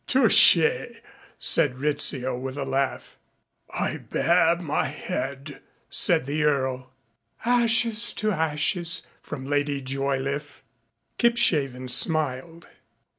"Touché!" said Rizzio, with a laugh. "I bare my head," said the Earl. "Ashes to ashes," from Lady Joyliffe. Kipshaven smiled.